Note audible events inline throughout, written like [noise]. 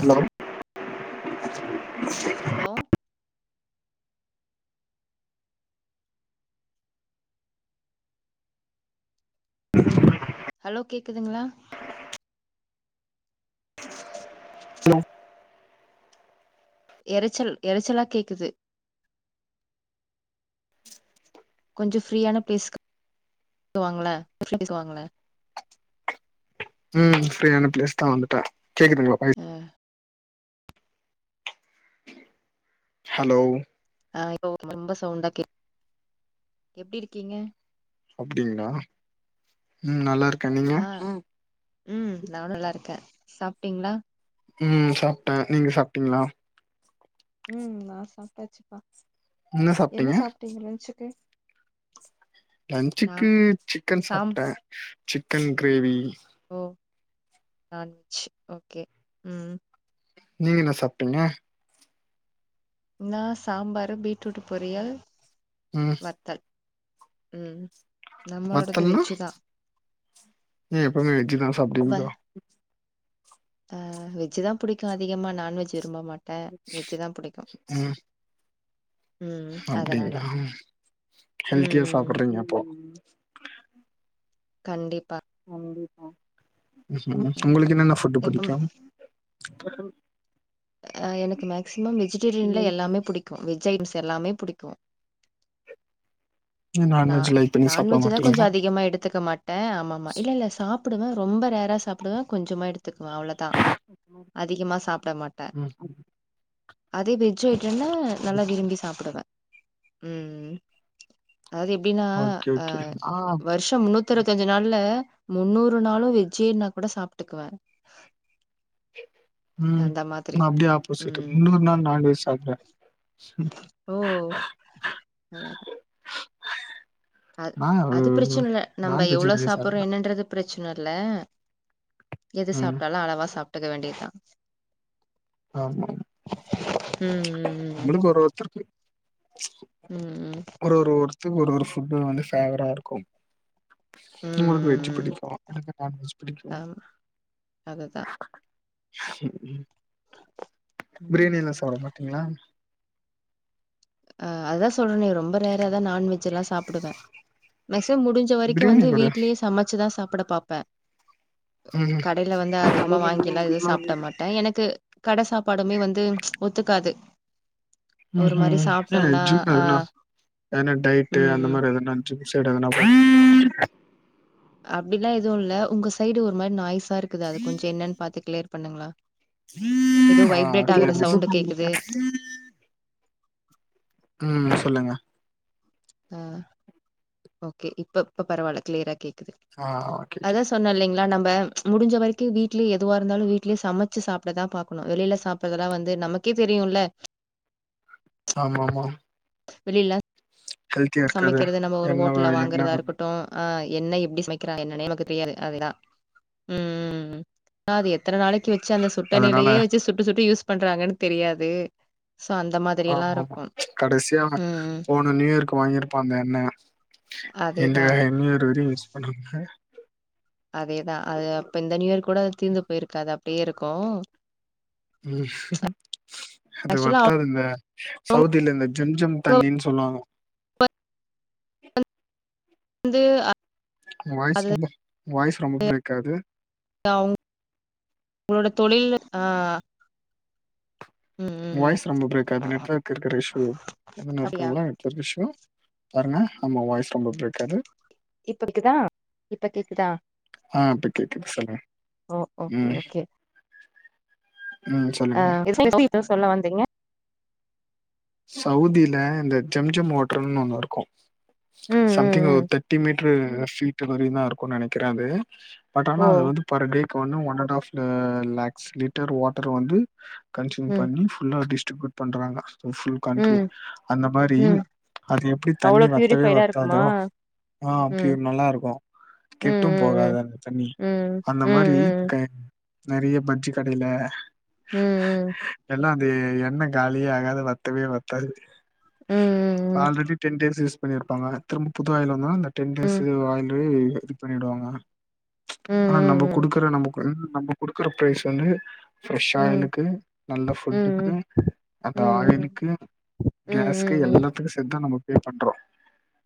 Hello hello [inaudible] hello கேக்குதுங்களா hello எரச்சல் எரச்சலா கேக்குது கொஞ்ச ஃப்ரீயான பிளேஸ்க்கு வாங்களே [unintelligible] வாங்களே ம் ஃப்ரீயான பிளேஸ் தா வந்துட்டே கேக்குதுங்களா பை ஆ ஹலோ ஆ இப்ப ரொம்ப சவுண்டா கே எப்டி இருக்கீங்க அப்டிங்களா ம் நல்லா இருக் ஆ ம் நா நல்லா இருக்கே சாப்பிட்டீங்களா ம் சாப்டே நீங்க சாப்பிட்டீங்களா ம் நா சாப்டாச்சுப்பா என்ன சாப்டீங்க லன்ச்சுக்கு நா லன்ச்சுக்கு சிக்கன் சாம் சாப்ட்டே சிக்கன் கிரேவி ஓ நான்வெஜ் ஓகே ம் ம் நீங்க என்ன சாப்டீங்க நா சாம்பரு பீட்ரூட் பொரியல் ம் வத்தல் ம் நம்மளோடது வத்தல்னா வெஜ்ஜு தா ஏ எப்பவுமே வெஜ்ஜுதா வ சாப்டுவீங்களோ ஆ வெஜ் தா புடிக்கு அதிகமா நான்வெஜ் ம்ப மாட்டே வெஜ் தா புடிக்கு ம் ம் அதனால அப்டிங்களா ம் ஹெல்த்தியா ம் சாப்படறீங்க அப்போ கண்டிப்பா ம் ம். உங்களுக்கு என்னென்ன ஃபுட் எப்ப புடிக்கு ஆ எனக்கு மேக்சிமம் வெஜிடேரியன்ல எல்லாமே புடிக்கு வெஜ் ஐட்டம்ஸ் எல்லாமே புடிக்கு ஏ நா நான்வெஜ் லைக் பண்ணி சாப்ட நான்வெஜ் தா கொஞ்சோ மாட்டீங்களா அதிகமா எடுத்துக்க மாட்டே ஆமாமமா இல்லில்ல சாப் ப்டுவே ரொம்ப ரேர சாப்புடுவே கொஞ்சமா எடுத்துக்குவே அவ்ளோதா அதிகமா சாப்ட மாட்டே ம் அதே வெஜ் ஐட்டம்னா நல்லா ஓகே விரும்பி சாப்டுவே ம்ம் அதாவது எப்டின்னா ஓகே அ ஓகே ஆ வருஷ முன்னூத்தி த்து இருபத்தஞ்சு நாள்ல முந்நூறு நாளு வெஜ்ஜேனாலு கூட சாப்ட்டுக்குவே ம் நா அப்டியே ஆப்போசிட் ம் முன்னூறு நாள் நான்வெஜ் சாப்டுவே நல்லா அத் நா அது பிரச்சன இல்ல நம்ம நான்வெஜ் எவளோ நெறைய சாப்படுறோ சாப்டுவே என்னன்றது பிரச்சன னுல்ல எது ம் சாப்புட்டாலு அளவா சாப்புட்டுக்க வேண்டியதா ஆமா ம் ம் ம் ம் நம்மளுக்கு ஒரு ஒருத்தருக்கு ஒரு ஒரு ஒருத்துக்கு ஒரு ஒரு ஃபுட் வந்து ஃபேவரா இருக்கு ம் ம் ம் உங்களுக்கு வெஜ் ம் ம் புடிக்கு எனக்கு நான்வெஜ் புடிக்கு ஆமா அதுதா ம் பிரியாணி எல்லா சாப்புட மாட்டீங்களா அ அதுதா சொல்றேனே ரொம்ப ரேராதா நான்வெஜ் எல்லா சாப்புடுவே மெஸ் தே முடிஞ்ச வரைக்கு பிரியாணி வந்து கூட வீட்லயே சமைச்சுதா சாப்புட பாப்பே ம் கடையில வந்து அதிகமா வாங்கி எல்லா எதுவு சாப்புட மாட்டே எனக்கு கட சாப்பாடுமே வந்து ஒத்துக்காது ம் ஒரு மாரி ம் சேரி சாப்ட்டோம்னா ஜிம் ஆ எதுனா ஏனா டைட்டு ம் அந்த ம் மாரி எதுனா ஜிம் சைடு எதனா அப்டிலா எதுவு இல்ல உங்க சைடு ஒரு மாரி நாய்ஸா இருக்குது அத கொஞ்சோ என்னன் பாத்து க்ளியர் பண்ணுங்ளே ஆ இதே இதே சவுண்டு கேக்குது தா ஆ ஓகே இப்ப இப்ப பரவால்ல க்ளியரா கேக் குது ஆ ஓகே ஓகே அதா சொன்ன இல்லைங்ளா நம்ப முடிஞ்ச வரைக்கு வீட்லியே எதுவா இருந்தாலு வீட்லியே சமச்சு சாப்டதா பாக்கணு வெளில சாப்பறதல்ல வந்து நமக்கே தெரி யுல்ல ஆமாமா வெளில இருக்கது சமைக்கிறது நம்ம ஒரு எண்ணெ ஒட்டல வாங்கறதா எண்ணெ இருக்கட்டு ஆ என்ன எப்டி சமைக்கிறா என்னனே நமக்கு தெரியாது அதேலா ம் அது எத் எத்தன நாளைக்கு வச்சி அந்த சுட்ட அதனால எண்ணெய்லையே வச்சு சுட்டு சுட்டு யூஸ் பண்றாங்கன் தெரியாது சோ அந்த மாதிரி எல்லா ஆமாமா இருக்கு கடசியா ம் ம் போன நியூயர்க் கு வாங்கிருப்பா அந்த எண்ணெ இந்த அதேதா நியூயர் வரியு மிஸ் பண்ணாம அதேதா அது அப்ப இந்த நியூயர் கூட அது தீந்து போயிருக்காது அப்டே இருக்கு அது ஆக்சுவலா வத்தாதுங்க அவங்க சவுதில இந்த ஜும் ஜும் தண்ணின் சொல்வாங்க ந்து அ வாய்ஸ் ரொம்ப வாய்ஸ் ரொம்ப பிரேக் ஆவ்து ஒங்ளோட தொழில் அ ஒங் வாய்ஸ் ரொம்ப பிரேக் ஆது நெட்ஒர்க் இருக்கற இஷூ அப்டியா இன்னுருக்குங்ளா நெட்ஒர்க் இஷூ பாருங்க ஆமா வாய்ஸ் ரொம்ப பிரேக்காது இப்ப கேக்குதா இப்ப கேக்குதா ஆ இப்ப கேக்குது சொல்லு ஓ ஓகே ம் ஓகே ம் ஆ சொல்லுங்க எதோ சொல்ல வந்தீங்க சவுதில இந்த ஜம் ஜம் வாட்டர்ன் ஒன்னு இருக்கு ம் ம் சம்திங் ம் ஒரு தெட்டி மீட்ரு ஃபீட் வரயுந்தா இருக்குன் நெனைக்கிற அது பட் ஆனா ஓ அது வந்து பர் டேக்கு ஒன்னு one and half lakhs litre water வந்து கன்சியூம் ம் பண்ணி ஃபுல்லா டிஸ்ட்ரிபூட் பண்றாங்க சோ ஃபுல் கண்ட்ரி ம் அந்த மாறி ம் அது எப்டி தண்ணி அவ்ளோ வத்தவே பியூரிஃபைடா வத்தாதோ இருக்குமா ஆ ம் ப்யூர் நல்லாருக்கு ம் கெட்டு ம் போகாது அந்த தண்ணி ம் ம் அந்த ம் மாரி க நெறைய பஜ்ஜி கடையில ம் ம் அது எண்ணெ காலியே ஆகாது வத்தவே வத்தாது ம் ம் ஆல்ரெடி டென் டேஸ் யூஸ் பண்ணிர்ப்பாங்க திரும்ப புது ஆயில் வந்தோன இந்த டென் டேஸு ஆயிலு இதுக் பண்ணிடுவாங்க ம் ம் ஆனா நம்ப ம் குடுக்குற நம்போ நம்போ குடுக்குற ப்ரைஸ் வந்து ப்ரெஷ் ஆயிலுக்கு நல்ல ம் ம் ம் ம் ஃபுட்டுக்கு அந்த ம் ஆயிலு கு ம் கேஸ்கு ம் எல்லாத்துக்கு சேத்தா நம்ப பே பண்றோ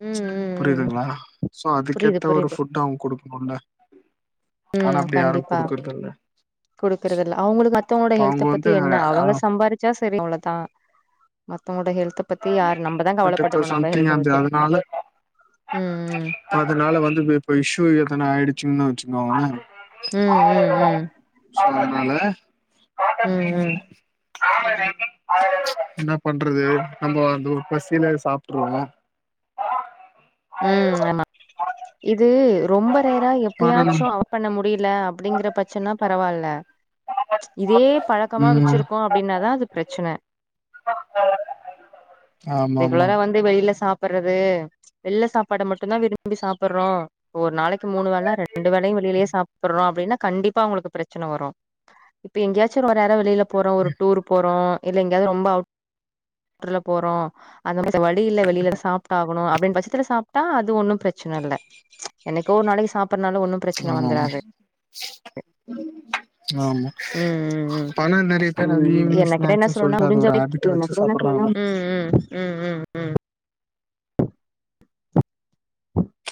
ம் ம் புரியுதுங்ளா சோ புரியுது அதுக்கேத்த ஒரு புரியுது ஃபுட் அவுங் குடுக்கனுல்ல ம் கண்டிப்பா குடுக்குறதில்ல அவுங்களுக்கு அட்த்தவங்களோட இப்ப ஹெல்த்த அவங்க பத்தி வந்து என்ன ஆ அவுங்க சம்பாரிச்சா செரி அவ்ளோதா மத்தவங்கோட ஹெல்த்த பத்தி யாரு நம்பதா கவல பட் இப்ப பட்டுக்குனு நம்ப ஹெல்த்த பத்தி ம் இப்ப அதனால வந்து இப்ப இஷ்யூ எதனா ஆயிடுச்சுன்னா சுங்கோளே ம் ம் ம் [unintelligible] சோ அதனால ம் ம் என்ன பண்றது நம்போ அந்த ஒரு பசில சாப்ட்டுருவோ ம் ஆமா இது ரொம்ப ரேறா ஆனா எப்பயாச்சு [inaudible] பண்ண முடில அப்டிங்கற பிரச்சன்ன பரவால்ல இதே பழக்கமா ம் வெச்சிருக்கோ அப்டின்னாதா அது பிரச்சன ஆமா ஆமா ரெகுலரா வந்து வெளில சாப்பறது வெள்ல சாப்பாட மட்டுதா விரும்பி சாப்பறோ ஒரு நாளைக் த்து மூணு வேல ரெண்டு வேலயு வெளிலியே சாப்பட்றோ அப்டின்னா கண்டிப்பா அவ்ங்களுக்கு பிரச்சன வரு இப்ப எங்கேயாச்சு ஒரு ரேரா வெளில போறோ ஒரு டூர் போறோ இல்ல எங்காவது ரொம்ப அவுட்ருல்ல போறோ அந்த [inaudible] வழியில்ல வெளில சாப்டாகணு அப்டின் த்தில சாப்ட்டா அது ஒன்னு பிரச்சன இல்ல என்னைக்கோ ஒரு நாளைக்கு சாப் பறனால ஒன்னு பிரச்சன ஆமா ஆமா வந்துறாது ஆமா ம் ம் ம் பண நெறைய பேர் அது ஈவினிங் என்ன கேட்டா என்ன ஸ்நாக்ஸு சொல்றனா சொல்ட்டு அது முடிஞ்ச ஒரு வரைக் ஹாபிட்டா வெச்சு சாப்படறாங்க ம் ம் ம் ம் ம்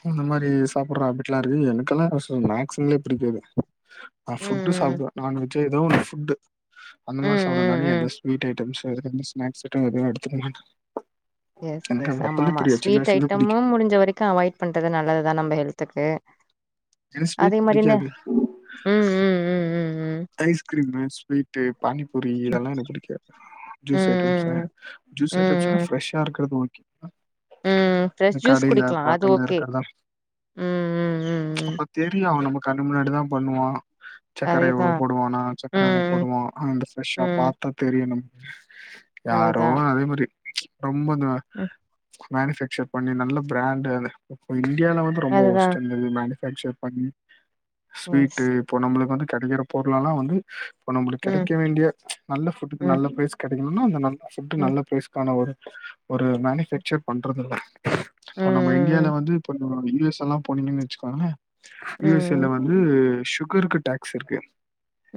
அந்த மாரி சாப்புட்ற ஹாபிட்லா இருக்கு எனக்கெல்லா ஸ்நாக்ஸ்ங்லே பிடிக்காது நா ம் ஃபுட்டு் சாப்பிடுவே நான்வெஜ்ஜோ ஏதோ ஒன்னு ஃபுட்டு அந்த ம் மாரி ம் சாப்டுவே ம் தானே ம் எந்த ஸ்வீட் ஐட்டஸு [unintelligible] வந்து ஸ்நாக்ஸ் ஐட்டம் எதுமே எடுத்துக்க மாட்ட எஸ் எஸ் ஆமாமா ஸ்வீட் பிடிக்கு ஐட்டமும் முடிஞ்ச வரைக்கு அவாய்ட் பண்றது நல்லது தா நம்ம ஹெல்த்துக் ஓகே எனக்கு ஸ்வீட் புடிக்காது ம் ம் ம் ம் ஐஸ்கிரீமு ஸ்வீட்டு பானிபூரி இதெல்லா எனக் புடிக்காது ம் ம் ஜூஸ் ஐட்டம்சே ம் ஜூஸ் ம் ஐட்டம்ஸ்னா ம் ம் ஃப்ரெஷ்ஷா இருக்கிறது ஓ ம் இந்த ஃப்ரெஷ் ஜூஸ் கடைல குடிக்கலா அது பாட்டில்ல ஓகே இருக்கறதா ம் ம் ம் ம் அப்ப தெரியு அவ நம்ம கண்ணு முன்னாடிதா பண்ணுவா சக்கர அதேதா எவ்ளோ போடுவானா சக்கர எவ்ளா ம் போடுவா அந்த ம் ப்ரெஷ்ஷா ம் பாத்தா தெரியு நமக்கு யாரோ அதுதா அதே மாரி ரொம்ப இது ம் மேனுஃபேக்சர் பண்ணி நல்ல பிராண்டது போயி இண்டியால வந்து ரொம்ப அதுதான். ஒஸ்ட்டு அந்த இது மேனுஃபேக்சர் பண்ணி எஸ். ஸ்வீட்டு இப்போ நம்மளுக்கு வந்து கெடைக்கிற பொருளல்லா வந்து இப்ப நம்மளுக்கு ம். கெடைக்க வேண்டிய நல்ல ஃபுட்டு ம். நல்ல ப்ரைஸ் கெடைக்கன்னுனா அந்த நல் ஃபுட்டு ம். நல்ல ப்ரைஸ்க்கான ஒரு ஒரு மேனுஃபேக்சர் பண்றதில்ல இப்ப நம்ம இண்டியால ம். வந்து இப்ப யூ எஸ் எல்லா போனீங்கன் வச்சுக்கோங்களே யூ எஸ் ஏ ல ம். வந்து சுகருக்கு டேக்ஸ்சிருக்கு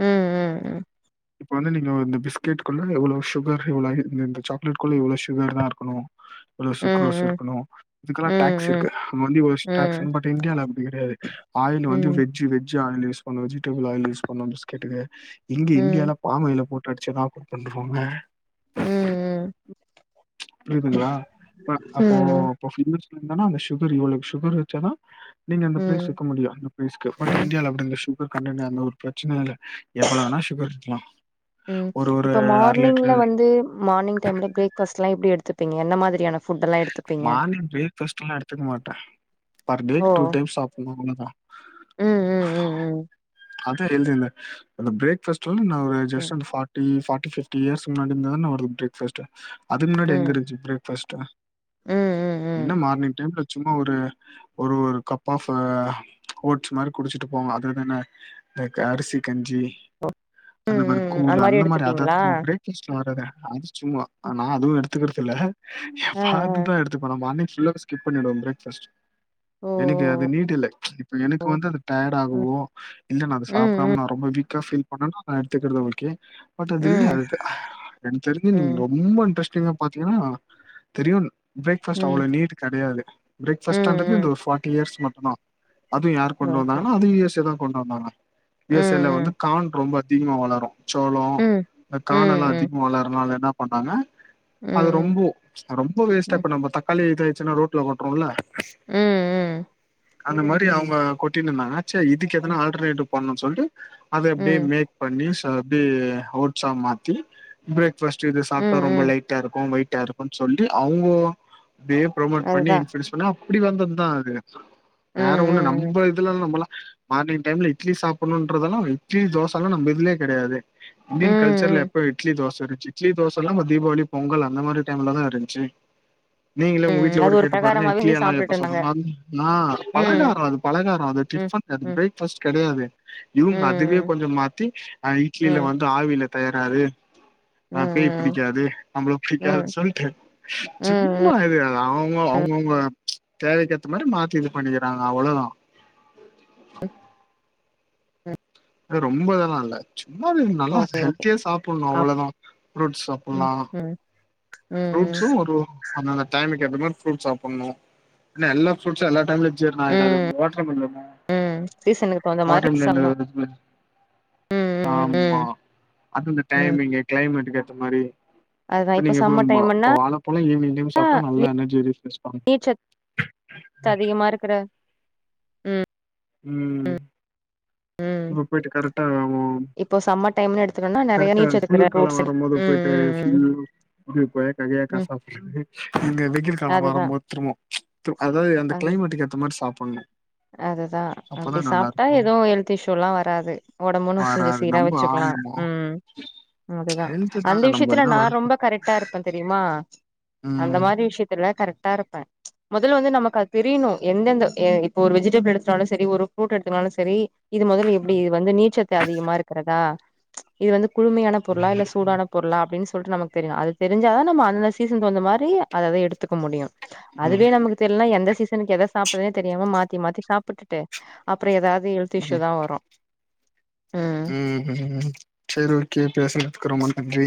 ம் ம் ம் இப்ப வந்து நீங்க இந்த பிஸ்கெட்க்குள்ள எவ்ளோ சுகர் இவ்ளோ இந்த சாக்லெட் குள்ள இவ்ளோ சுகர் தா இருக்கணு இ்வ்ளோ ம். சுக்ரோஸ் ம். இருக்கணு இதுக்கெல்லா ம். டேக்ஸ்சிருக்கு வந்து இவ்ளோஸ் ம். டேக்ஸ்சின் பட் இண்டியால கெடயாது ஆயில் வந்து ம். வெஜ்ஜு வெஜ்ஜு ஆயில் யூஸ் பண்ணு வெஜிடபிள் ஆயில் யூஸ் பண்ணோ பிஸ்கட்டு இது இங்க ம். இண்டியால பாமாயில போட்டு அடிச்சு ரா ஃபுட் பண்றாங்க ம். புரியிதுங்ளா அப்ப அப்போ ம். அப்போ பில்லர்ஸ் அப்டி இருந்தானா அந்த சுகர் இவ்ளக்கு சுகர் வச்சாதா நீங்க அந்த ப்ரைஸ் ம். வெக்க முடியு அந்த ப்ரைஸ்க்கு பட் ம். இண்டியால அப்டி அந்த சுகர் கண்டன்ட் அந்த ஒரு பிரச்சன இல்ல எவ்ளா வேணா சுகர் இருக்கலா ம் இப்ப மார்னிங்ல வந்து மார்னிங் டைம்ல பிரேக்ஃபாஸ்ட்லா எப்டி எடுத்து ப்பிங்க என்ன மாதிரியான ஃபுட்டெல்லாம் எடுத்துப்பீங்க? மார்னிங் பிரேக்ஃபஸ்ட்லா எடுத்துக்க மாட்டே பர் ஓ! டேக்கு டூ டைம்ஸ் சாப்புட்ணு அவ்ள ம் ம் ம் ம் அது ஹெல்தில்ல அந்த ப்ரேக்ஃபஸ்ட் வந்து நா ஒரு ம். ம். Just one forty forty fifty இயர்ஸ்க் முன்னாடி இருந்துதான வருது ப்ரேக்ஃபஸ்ட்டு அதுக் முன்னாடி ம். எங்கிருந்துச்சு ப்ரேக்ஃபஸ்ட்டு ம். ம். ம். என்ன மார்னிங் டைம்ல சும்மா ஒரு ஒரு ஒரு கப் ஆஃப்பு ஓட்ஸ் மாரி குடிச்சிட்டு போவ அதுதான இந்த அரிசி கஞ்சி ஓ! ம். அந்த மாரி ம். ம். கூல் அந்த மாரி எடுத்துப்பீங்களா? [unintelligible] பிரேக்பஸ்ட்ல வராதே அது சும்மா நா அதுவு எடுத்துக்குறது இல்ல அ. அ. எப்பாதுதா எடுத்துப்பே நம்ம அண் ஃபுல்லா ஸ்கிப் பண்ணிடுவே பிரேக்ஃபாஸ்ட் ஓ! எனக்கு அது நீடு இல்ல இப்ப ஓ! எனக்கு வந்து அது டயாட் ஓ! ஆகவோ இல்ல நா அத ம். சாப்டாம ம். நான் ரொம்ப வீக்கா ஃபீல் பண்னேன்னா எடுத்துக்கறதுல ஓகே பட் அது இல்ல ம். ம். அது எனக்கு தெரிஞ்சி நீங்க ம். ரொம்ப இன்ரஸ்ட் திங்க பாத்தீங்கன்னா தெரியுன் பிரேக்ஃபாஸ்ட் ம். அவ்ளோ நீடு கெடயாது ம், பிரேக்பாஸ்ட் இன்றது ம். ஒரு ஃபார்டி இயர்ஸ் மட்டுதா அதுவு யார் கொண்டு ஓகே. வந்தாங்கன்னா அதுவு யூ எஸ் ஏ தா கொண்டு வந்தாங்க யூ ம், எஸ் ஏ ல வந்து ம். கான் ரொம்ப அதிகமா வளரு சோளோ ம். இந்த ம், கானெல்லா ம். அதிகமா வளறனால என்ன பண்ணாங்க ம், அது ம். ரொம்போ ரொம்போ ம், வேஸ்ட்டா இப்ப நம்ம தக்காளி இதாயிட்சின்னா ரோட்ல கொட்டுறோல ம் ம் அந்த மாரி அவுங்க கொட்டின்னு இருந்தாங்க சேர் இதுக்கு எதனா ஆல்டர்னேட்டிவ் பண்ணணும்னு சொல்டு அத அப்டியே ம், மேக் பண்ணி ச அப்டியே ஓட்ஸ்ஸா மாத்தி ப்ரேக் ஃபாஸ்ட்டு இது ம். சாப்டா ரொம்ப ம். லைட்டா இருக்கு வெயிட்டா இருக்கும்னு சொல்லி அவுங்கோ அப்டியே ப்ரொமோட் பண்ணி அதுதான். இன்ஃப்ளுயன்ஸ் பண்ணி அப்டி வந்தது தா அது ம், வேற ஒன்னு ம். நம்ம இதுல்லா நம்பல்லா மார்னிங் டைம்ல இட்லி சாப்புட்ணும் இன்றதெல்லா இட்லி தோச எல்லா நம்ம இதுலையே கெடையாது ம். ம், இந்தியன் கல்ச்சர்ல ம். எப்போ இட்லி தோச த ச் ச்சி இட்லி தோசல்லா தீபாவளி பொங்கல் அந்த மாரி டைம்ல தா இருஞ்சி நீங்களே உங்க ம். வீட்டுல அது கூட ஒரு கேட்டு பாருங்க பிரகாரமாவே இட்லி செஞ்சு எல்லா சாப்ட்டுட்டு எப்ப இருந்தாங்க. சாப்டுவோனு [inaudible] நா ம். பலகாரோ அது ம். பழகாரோ அது ம். டிஃபன் அது ம். பிரேக்பாஸ்ட் கெடையாது இவங்க அதுவே ம். கொஞ்சோ மாத்தி அ இட்லில ம். வந்து ஆவில தேராது ம். ஆ பேய் ம். ம். புடிக்காது நம்மள ம். புடிக்காதுன் சொல்டு ம். சும்மா அது அ எதா அவுங்க அவுங்கவுங்க தேவைக்கேத்த மாரி மாத்தி இது பண்ணிக்கிறாங்க அவ்ளோதா [unintelligible] அது ரொம்ப இதாலா இல்ல சும்மா அது நல்லா ஓகே, ஓகே. ஹெல்த்தியா சாப்புட்ணு அப் அவ்ளோதா ஃப்ரூட்ஸ் ம். சாப்புட்லா ம். ம். ஃப்ரூட்ஸ்சும் ஒரு அந்த அந்த டைமிங் அதுக் எத்தா மாரி ஃப்ரூட்ஸ் சாப்புட்ணு நா எல்லா புஃருட்ஸ் எல்லா டைம்ல ஜீர்ணோ ஆகுதா எதாது ம். வாட்டர்மிலனு ம். சீசனுக்கு தகுந்த மாரி சமம். வாட்டர்மிலன்னு [inaudible] ம். ம். ஆமா ம். அதுவு இந்த டைமிங் கிளைமேட்டுக்கு ஏத்தா மாரி அதுதா இப்ப சம்மர் மா டைமுன்னா இப்ப வாழ பழோ ஈவ்னிங் டைம் சாப்டா நல்லா எனர்ஜிய ரீ பிரெஷ் நீர்ச்சத் ததிகமா இருக்குற ம் ம் ம். இப்ப போயிட்டு கரெக்டா அவோம் இப்போ சம்மர் டைம்னு எடுத்துக்கோனா நெறைய கரெக்டா நீச்சல் இருக்கிற குளர் காலோ ஃப்ரூட்ஸ் எடு வரும்போது ம் போயிட்டு ம் சில்லுனு இது கொய்யாக்கா ம் கிய்யக்க ம் சாப்டு எங்க வெயில் காலோ அதுதா வரும் போது திரும்போ அதாது அந்த அது கிளைமேட்டுக்கு ஏத்த மாரி சாப் அதுதா அப்டி சாப்டா இருக்கு எது ஹெல்த் இஷ்யூ எல்லா வராது ஒடம்போ இன்னு கொஞ்சோ வராது சீரா நம்ப வச்சுக்கலா ஆமா அ ம் ம் அதுதா ஹெல்த்து தா அந்த நம்ம விஷயத்துல என்ன நா வறுப்போ ரொம்ப கரெக்டா இருப்பே தெரியுமா அந்த ம் மாரி விஷயத்துல கரெக்ட்டா இருப்பே மொதல்ல வந்து நமக்கு அது தெரியுணு எந்தெந்த ஏ இப்போ ஒரு வெஜிடேபிள் எடுத்துட்டாலு செரி ஒரு ஃப்ரூட் எடுத்துக்குனாலு செரி இது மொதல்ல எப்டி இது வந்து நீர்ச்சத்து அதிகமா இருக்கறதா இது வந்து குளுமையான பொருளா இல்ல சூடான பொருளா அப்டின்னு சொல்லிட்டு நமக் தெரினு அது தெரிஞ்ச தா நம்ம அந்த சீசன் தகுந்த மாரி அதவே எடுத்துக்க முடியு அதுவே ம் நமக்கு தெரிலனா எந்த சீசனுக்கு எத சாப்பறதுன்னே தெரியாம மாத் மாத்தி மாத்தி சாப்டுட்டு அப்றோ ஏதாவது ஹெல்த் இஷ்யூ ம் தா வரோ ம் ம் செரி ஓகே பேசுனதுக்கு ரொம்ப நன்றி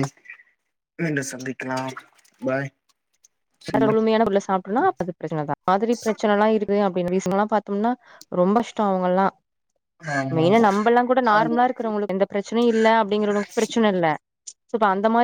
மீண்டு சந்திக்கலாம் பாய் சி குளுமையான பொருள சாப்டோனா அப்ப அது பிரச்சனதா அந்த மாரி பிரச்சனல்லா இருக் து அப்டின்னு ரீசன்லா பாத்தம்னா ரொம்ப கஷ்டோ அவங்கல்லா ஆமா மெயினா ஆமா நம்பல்லாங்கூட அந்த நார்மலா இருக்கறங்ளுக்கு எந்த பிரச் ச்சனை இல்ல அப்டிங்கறளுக்கு பிரச்சன இல்ல சோ ப்ப அந்த மாரி